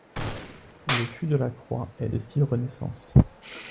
Le fût de la croix est de style Renaissance.